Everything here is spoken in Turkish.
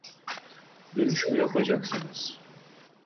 Dönüş mü yapacaksınız